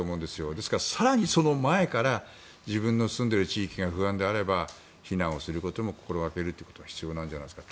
ですから、更にその前から自分の住んでいる地域が不安であれば避難をすることも心掛けることが必要なんじゃないですか。